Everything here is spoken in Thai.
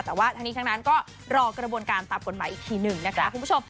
แต่ว่าทั้งนี้ทั้งนั้นก็รอกระบวนการตามกฎหมายอีกทีหนึ่งนะคะคุณผู้ชม